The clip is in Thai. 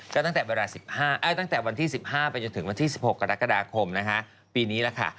ก็ตั้งแต่วันที่๑๕ไปจนถึงวันที่๑๖กรกฎาคมนะคะปีนี้แหละค่ะ